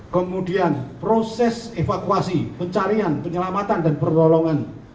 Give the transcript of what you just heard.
kemudian proses evakuasi pencarian penyelamatan dan pertolongan